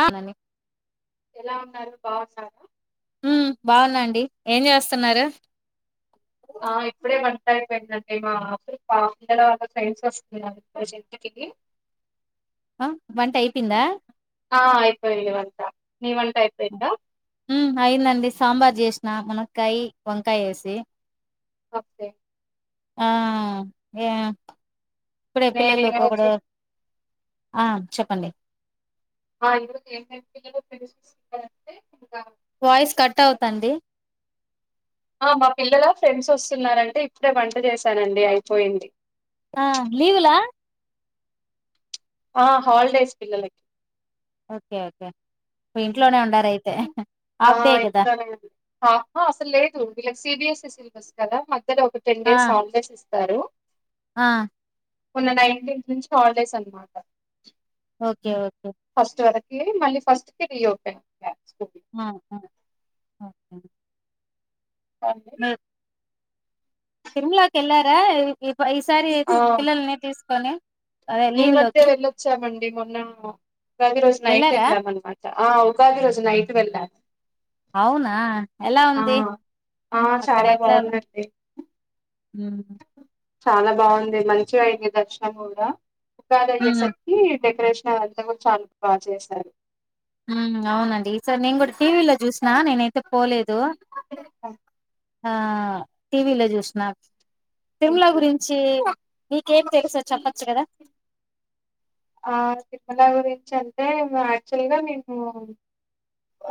ఆ నం ఎలా ఉన్నారు బాగు సారా బాగున్నాండి ఏం చేస్తున్నారు ఆ ఇప్పుడే అయిపోయిందండి మా పాలలో వా ఫ్రెండ్స్ వస్తున్నా ఇ జట్కి ఆ వంట అయిపోయిందా ఆ అయిపో ఇడి వంతా అయిందండి సాంబార్ చేసిన మునక్కయ వంకాయ వేసి వప్పే ఆ ఏ ఇప్పుడే నేను పిల్లలుకోక్కడ ఈరోజు ఆ చెప్పండి జ ఏ పిల్లుంటేకా వాయిస్ కట్ అవుతండి ఆ మా పిల్లలా ఫ్రెండ్స్ వస్తున్నారంటే ఇప్పుడే వంట చేసానండి అయిపోయింది ఆ లలీవు్లా ఆ హాలిడేస్ పిల్లలకి కక ఇంట్లోనే ఉండార ఇట్లానే అసలు లేదుీ సిబిఎస్ సిలబస్ కదా మధ్యలో ఒక టెన్ ఆ డేస్ ఆంగ్ెస్ ఇస్తారు ఆ ఉన్న నైన్టీన్స్ నుంచి హాలిడేస్ అనమాట ఓకే ఓకే ఫస్ట్ వరకు మళ్ళీ ఫస్ట్ కి రీఓపెన్ స్కూల్. ఆ అ తిమ్లాకి వెళ్లారా ఈసారి పిల్లల్ని తీసుకొని అదే నీ లీవ్ మధ్య లోకి వెళ్ళొచ్చామండి మొన్న ప్రది రోజు నైట్ వెళ్ళారా వెళ్ళాం అన్నమాట ఆ గాది రోజు నైట్ వెళ్ల అవునా ఎలా ఉంది ఆ చాలా బాగుందడి హ చాలా బాగుంది మంచిగా అయింది దర్శనం కూడా ఉగాది హ్మ్. అయ్యేసరికి డెకరేషన్ అంతా కూడా చాలా బాగా చేశారు అవునండి సార్ నేను కూడా టీవీ లో చూసిన నేనైతే పోలేదు ఆ టీవీలో చూసిన తిరుమల హ్మ్. గురించి మీకేం తెలుసో చెప్పచ్చు కదా ఆ తిరుమల గురించి అంటే యాక్చువల్ గా మేము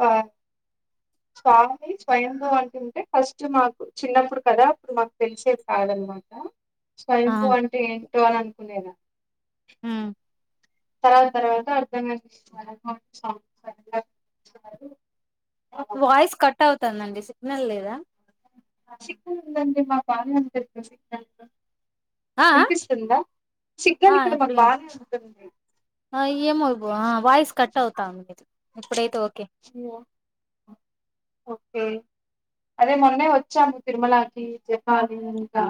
ఆ స్వామి స్వయంభూ అంటంటే ఫస్ట్ మాకు చిన్నప్పుడు కదా అప్పుడు మాకు తెలిసే క నమాట ఆ! స్వయంభ అంటే ఏంటో అని అనుకునేద హ తర్వా తర్వాత అర్ధంగా సంస వాయిస్ కట్ అవుతుందండి సిగ్నల్ లేదా సిక్ందంది మా పాాల అంది సిక్ ఆ ఆ వినిపిస్తుందా ఆ సిగ్గలు ఇక్కడ ఇప్పుడు మాకు విన్ బాగా అంటుంది ఏమో వాయిస్ కట్ అవుతాం మీది ఇప్పుడైతే ఓకే ఓకే అదే మొన్నే వచ్చాము తిరుమలకి జప్పాలి ఇంకా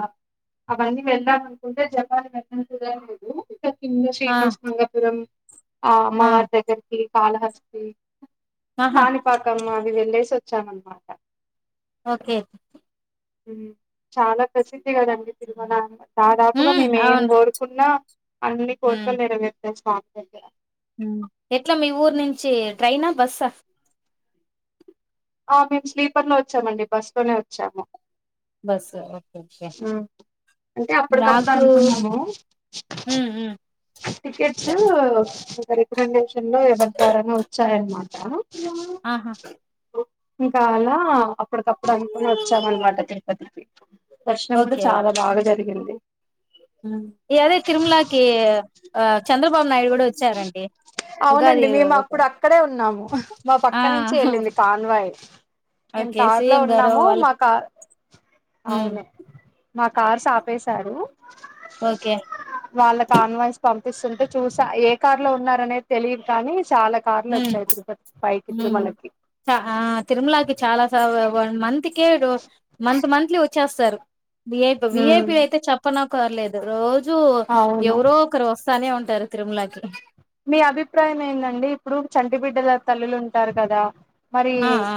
అవన్నీ వెళ్దామ అనుకుంటే జపాన్ వెళ్ళంతదా లేదు ఆ! శ్రీనివాస్ మంగపురం ఆ! మమ అ దగర్కి కాాల అస్ ఆహా! కాణిపాకమ్మ అవి వెళ్ళేసి వచ్చాం అనమాట ఓకే చాలా ప్రసిద్ధి కదండి తిరుమల అ దాదాపుగా హ్మ్. మేము ఏం అవును. కోరుకున్నా అన్ని హ్మ్. కోరుకలు నెరవేరుతాం స్వామి దగ్గర ఎట్లా మీ ఊరు నుంచి ట్రైనా బస్సా ఆ మేము స్లీపర్ లో వచ్చామండి బస్ లోనే వచ్చాము బస్ ఓ ఆ అంటే అప్పటికప్పుడు నాకు అనుకున్నాము ఉమ్ ఉమ్ టికెట్స్ రికమెండేషన్ లో ఎవరి ద్వారాన వచ్చాయన్నమాట అ ఆహా ఇంకా అలా అప్పటికప్పుడు అనుకుని వచ్చామ అనమాట తిరుపతి దర్శనం కూడా చాలా బాగా జరిగింది ఇ అదే తిరుమలకి ఆ చంద్రబాబు నాయుడు కూడా వచ్చారండి అవునండి ఉగాది మేము అప్పుడు అక్కడే ఉన్నాము మా ఆ పక్క నుంచి వెళ్ళింది పాన్వాయి మేము ఓకే కారు లో సీఎం గారు ఉన్నాము వాళ్ళు మా క ఉమ్ అవును మా కార్ అపెసాడు ఓకే వాళ్ళ కాన్వాయిస్ పంపిస్తుంటే చూసా ఏ కార్ లో ఉన్నార అనేది తెలిదు కానీ చాలా కార్లు ఉమా వచ్చాయి తిరుపతి పైకి తిరుమలకి ఉమా ఆ తిరుమలకి చాలా స వన్ మంత్ కి మంత్ మంత్లీ వచ్చేస్తారుఐపీ విఐపి అయితే చెప్పన క్కర్లేదు రోజూ అవును ఎవరో ఒకరు వస్తానే ఉంటారు తిరుమలకి మీ అభిప్రాయం ఏందండి ఇప్పుడు చంటిబిడ్డల తల్లులు ఉంటారు కదా మరి ఆ ఆ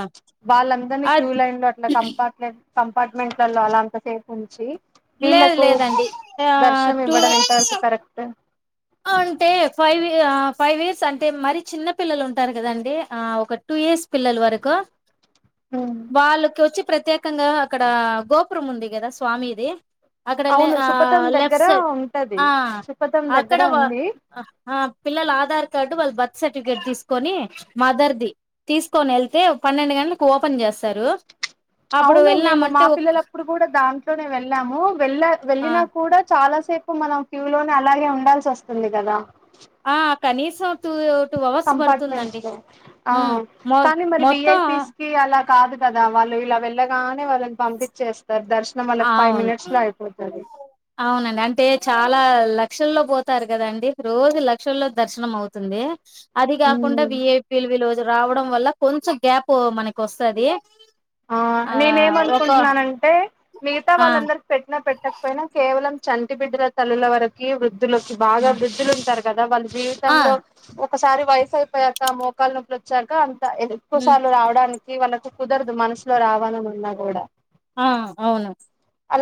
వాళ్ళందరినీ అద్ క్యూ లైం లో అట్లా కంపట్లేడి కంపార్ట్మెంట్లలో అలాంత సేపు ఉంచి లేదు వీళ్ళలకు లేదండి దర్శనం టూ ఇవ్వడం ఎంత వరకు కరెక్ట్ అంటే ఫైవ్ ఫైవ్ ఇయర్స్ అంటే మర చిన్న పిల్లలు ఉంటారు కదండి ఒక టూ టూ ఇయర్స్ పిల్లలు వరకు హ్మ్ వాళ్ళకి వచ్చి ప్రత్యేకంగా అక్కడ గోపురం ఉంది కదా స్వామిది అక్కడ అవును సుపథం లఫ్ట్ దగ్గర సైడ్ ఉంటది సుపథం అడ దగ్గర ఉంది పిల్లల ఆధార్ కార్డు వాళ్ళు బ బ సర్టిఫికేట్ తీసుకొని మదర్ది తీసుకొని వెళ్తే పన్నెండు గంటకి ఓపెన్ చేస్తారు అప్పుడు అవును మేము మా వెళ్ళామంటే ఒక్ పిల్లలప్పుడు కూడా దాంట్లోనే వెళ్ళాము వెళ్ళ ఆ వెళ్ళిన కూడా చాలా సేపు మనం క్యూ లోనే అలాగే ఉండాల్సి వస్తుంది కదా ఆ కనీసం త్వో కంపార్ట్మెంట్ లో మొ కానీ మరి మొత్తం విఐపీస్ కి అలా కాదు కదా వాళ్ళు ఇలా వెళ్ళగానే వాళ్ళని పంపించేస్తారు దర్శనం వాళ్ళకి ఫైవ్ అవును మినిట్స్ లో అయిపోతది అవునండి అంటే చాలా లక్షల్లో పోతారు కదాండి రోజు లక్షల్లో దర్శనం అవుతుంది అది కాకుండా విఐపిల్ విలు రావడం వల్ల కొంచెం గ్యాప్ మనకి వస్తుది ఆ నేనే ఏమనుకుంటున్నానంటే మిగతా ఆ! వాళ్ళందరి పెట్టినా పెట్టకపోయినా కే కేవలం చంటి బిడ్డల తల్లుల వరకి వృద్ధులకి బాగా ఆ! వృద్ధులు ఉంటారు కదా వాళ్ళు ఆ! జీవితంలో ఒకసారి వయసు అయిపోయాక మోకాల నొపులు వచ్చాక ఎక్కువ హ్మ్. సార్లు రావడానికి వాళ్ళకి కుదరదు మనసులో రావాల ఉన్నా కూడా ఆ అవును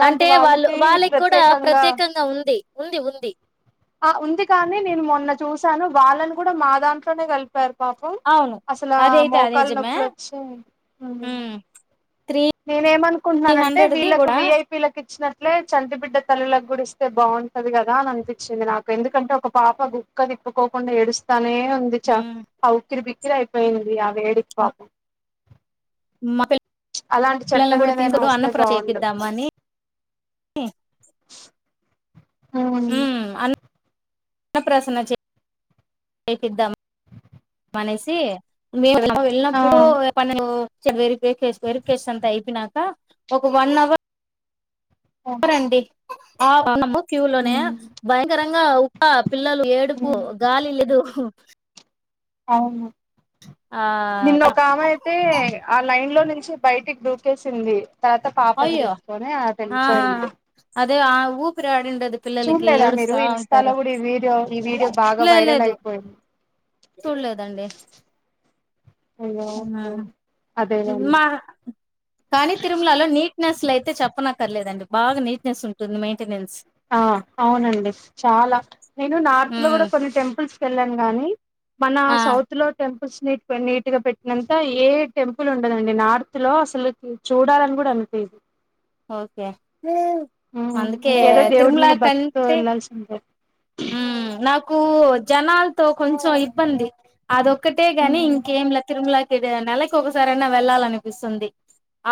అంటే వాళ్ వాళ్ళకి కూడా ప్రత్యేకంగా ఉంది ఉంది ఉంది ఆ ఉంది కాని నేను మొన్న చూసాను వాళ్ళని కూడా మా దాంట్లోనే కలిపారు పాపం అవును. అసలు అదైతే అది మోకాలు నిజమే. నొప్పులు వచ్చి హ్మ్. నేనే ఏమనుకుంటున్నానంటే వీళ్ళకు గూడా విఐపీలకు ఇచ్చిన అట్లే చంటిబిడ్డ తల్లకు గుడిస్తే బాగుంటది కదా అని అనిపించింది నాకు ఎందుకంటే ఒక పాప గుక్కదిప్ తప్పుకోకుండా ఏడుస్తానే ఉంది చ హ్మ్. ఆ ఉక్కిరి బిక్కిరి అయిపోయింది ఆ వేడికి హ్మ్. పాపం మా ప అలాంటి పిల్లల్ని చట్టం కూడా ఏదైనా తీసుకు అన్న వస్తే ప్ర బాగుండు చేపిద్దమ అని చ [inaudible] ఉ అన్న ప్రసన చేపిద్దాం అనేసి మీరు ఆ వెళ్ళినప్పుడు పనులు వెరి వెరి వేరుకేస్ అంత అయిపోయినాక ఒక వన్ అవర్ ఉమ్ రండి [unintelligible] క్యూ లోనే భయంకరంగా ఉక్క పిల్లలు ఉమ్ ఏడుపు గాలి లెదు అవును ఆ నిన్న ఒకామెయితే ఆ లైన్ లో ని బయటికి దూకేసింది తర్వాత పాపను అయ్యో తీసుకొని ఆ అటెళ్ళిపోయింది ఆ ఊపిరాడ్ డదు పిల్లలకి మీరు ఏడుస్తా ఇన్స్టాలో ఉంటరు కూడా ఈ వీడియో ఈ వీడియో బాగా లే వైరల్ లేదు అయిపోయింది చూల్లేదండి అయ్యో ఓకే అదేనండి మా కానీ తిరుమలలో నీట్ నెస్ లయితే చెప్పనకర్లేదండి బాగా నీట్నెస్ ఉంటున్ది మెయిన్ ఆ అవునండి చాలా నేను నార్త్ లో గూడ కొన్ని టెంపుల్స్కి వెళ్ళాను గాని మన ఆ సౌత్ లో టెం స్ నీట్ గా పెట్టినంత ఏ టెంపుల్ ఉండదండి నార్త్ లో అసలు చూడాలని కూడా జ ఓకే అందుకే ఇంకేదో దేవుడి తిరుమల మీద భక్తితో కంటె వెళ్ళాల్సి ఉంటది నాకు జనాలతో కొంచెం ఇబ్బంది అదొక్కటే గాని ఉమ్, ఇంకేంలా తిరుమలకి నెలకి ఒకసార అయినా వెళ్ళాలనిపిస్తుంది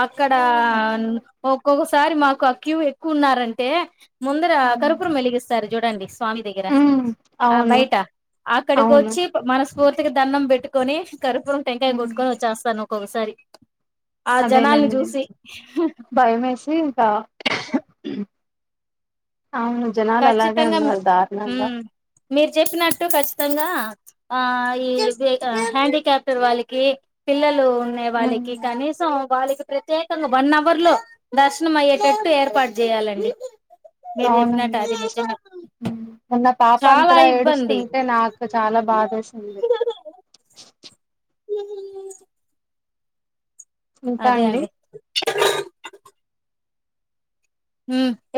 అక్కడ అదే అదే ఒక్కొక్కసారి మాకు అ క్యూ ఎక్కువ ఉన్నారంటే ముందర ఉమ్. కర్పూరం వెలిగిస్తారు చూడండి మీ దగ్గర హ్మ్ ఆ అవును. బయట అక్కడికి అవును. వచ్చి మనస్ఫూర్తిగా దండం పెట్టుకొని కర్పురం టెంకాయ హ్మ్. గొట్టుకొని వచ్చేస్తాను ఒక్కొక్కసారి ఆ జనాల్ని అదేలేండి. జూసి భయమేసి ఇంకా అవును జనాలు అలాగే ఖచ్చితంగా ఉన్నారు దారుణంగా మ్మ్ మీరు చెప్పినట్టు ఖచ్చితంగా ఆ ఈ బేటా హ్యాండికాప్టర్ వాళ్ళకి పిల్లలు ఉన్నాయి వాళ్ళకి హ్మ్. కనీసం వాళ్ళకి ప్రత్యేకంగా వన్ అవర్ లో దర్శనం అయ్యేటట్టు ఏర్పాటు చేయాలండి మీరు చె ఉ ప్చ్ అండి ఉ పాప చాలా అంతలా ఇబ్బంది ఏడుస్తుంటే నాకు చాలా బాదేసింది ఉ ఇంకా అదే అండి అదే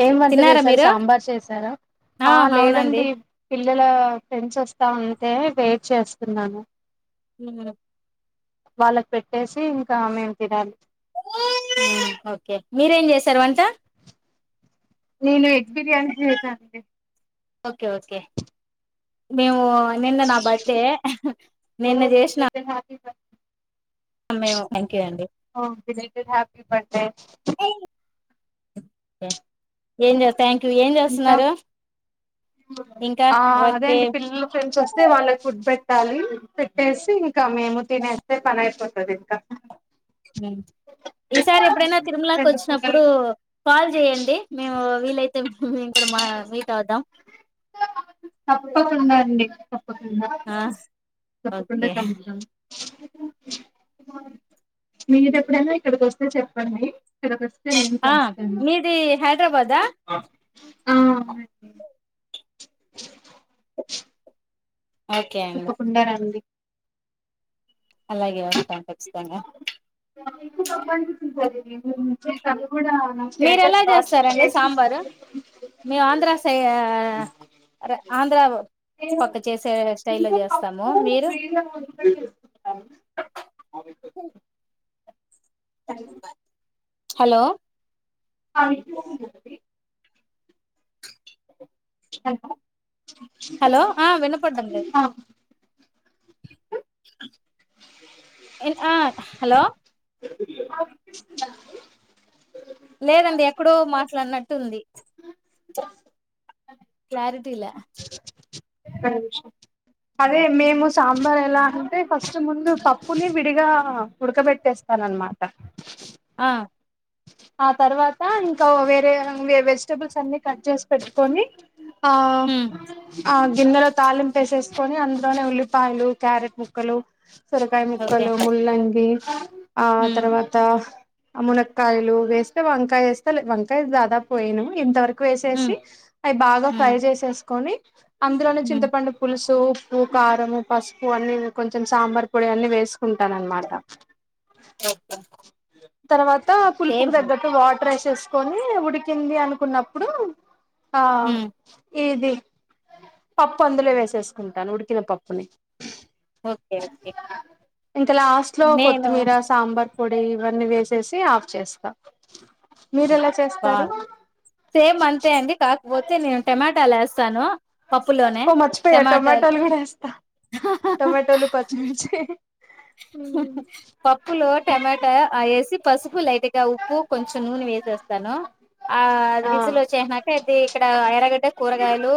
ఏం వంట తిన్నారా చేసారు మీరు సాంబార్ చేసారు ఆ లేదండి పిల్లల ఫ్రెండ్స్ వస్తాంటే వెయిట్ చేస్తున్నాను ఉ ఆ వాళ్ళకి పెట్టేసి ఇంకా మేము తినాలి ఓకే మీరేం జేసారు వంట నేను ఎగ్ బిర్యానీ చేసాన అండి ఓకే ఓకే మేము నిన్న నా బర్త్డే నిన్న జేసిన ప్చ్ యూ అండి ఓ బిలేటెడ్ హ్యాపీ బర్త్డే ఏం జె థ్యాంక్ యూ ఏం ఇంకా జేస్తున్నారు ఆ అదే అండి పిల్లల ఫ్రెండ్స్ వస్తే వాళ్ళకి ఫుడ్ పెట్ పెట్టాలి పెట్టేసి ఇంకా మేము తినేస్తే పని అయిపోతుంది ఇంకా ఉ ఈసారి ఎప్పుడైనా తిరుమలకి రెండు వచ్చినప్పుడు పూటలు కాల్ చేయంండి మేము వీలైతే ఇంక్కడ [unintelligible] మా మీట్ అద్దాం తప్పకుండా అండి తప్పకుండా ఆ తప్పకుండా ఓకే కలుద్దాం మీరు ఎప్పుడన్న ఇక్కడిక వస్తే చెప్పండి తిరుపతి నేను ఆ కలుస్తాను మీది హైదరాబాదా ఆ అవునండి ఓకే అండి తప్పకుండారండి అలాగే వస్తాం ఖచ్చితంగా అ మీరు ఎలా చేస్తారండి సాంబారు మేము ఆంధ్ర స్టేటస్ సై ఆంధ్ర నేను పక్క చేసే స్టైల్ లో ఇంట్లో చేస్తాము పప్పు మీరు విడిగా ఉడక చేసుకుంటాను అస్ హలో వినిపిస్తుందండి హలో హలో ఆ విన్నపడ్డంలేదు ఆ ఆ హలో ఆ వినిపిస్తుందా లేదండి ఎక్కడో మాట్లాడినట్టు ఉంది క్లారిటీ లె ఒక్క నిమిషం అదే మేము సాంబార్ ఎలా అంటే ఫస్ట్ ముందు పప్పుని విడిగా ఉడకబెట్టేస్తాము నన్ [unintelligible] మాట ఆ ఆ తర్వాత ఇంకా వేరే వెజిటబుల్స్ అన్ని కట్ చేసి పెట్టుకొని ఆ ఉమ్ ఆ గిన్నెలో తాలింపేసేసీ కొని అందులోనే ఉల్లిపాయలు క్యారెట్ ముక్కలు సొరకాయ ఓకే ముక్కలు ముల్లంగి ఆ ఉమ్ తర్వాత మునక్కాయలు వేస్తే వంకాయ వస్తే వంకాయ దాదాపు వేయను ఇంతవరకు ఉమ్ వేసేసి అవి బాగా ఉమ్ ఫ్రై చేసేసుకొని అందులోనే ఉమ్ చింతపండు పులుసు సూపు కారము పసుపు అన్ని కొంచెం సాంబార్ పొడి అన్ని వేసుకుంటాను అన్నమాట ఓకే తర్వాత పులుపుకు సేమ్ తగ్గట్టు వాటర్ వేసేసుకొని ఉడికింది అనుకున్నప్పుడు ఆ ఉమ్ ఇది పప్పు అందులో వేసేసుకుంటాను ఉడికిన పప్పుని ఓకే ఓకే ఇంక లాస్ట్ లో నేను కొత్తిమీర సాంబార్ పొడి ఇవన్నీ వేసేసి ఆఫ్ చేస్తాం మీరు ఎలా చేస్తారు బాగుంది సేమ్ అంతే అండి కాకపోతే నేను టమాటాలు వేస్తాను పప్పులోనే ఓ మర్చిపోయా టమాటాలు టమాటోలు కూడా వేస్తా టమాటోలు పచ్చిమిర్చి పప్పులో టమాటా ఆ వేసి పసుపు లైట్ ఇంకా ఉప్పు కొంచెం నూనె వేసేస్తాను ఆ ఆ విజుల్ వచ్చేసినాక అది ఇక్కడ ఎర్రగడ్డ కూరగాయలు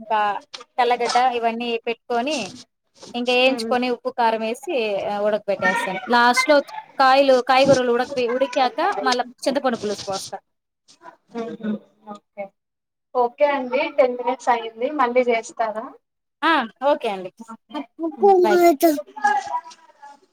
ఇంకా తెల్లగడ్డ ఇవన్నీ పెట్టుకొని ఇంక వేయించుకొని ఉప్పు కారం వేసి ఉడకబేట్టేస్తాను లాస్ట్ లో కాయలు కాయగురలు ఉడకబెట్టి క మళ్ళ చింత పండు పలుసు పోస్తా ఓకే ఓకే అండి టెన్ మినిట్స్ అయ్యింది మళ్ళీ చేస్తాను ఆ ఓకే అండి బై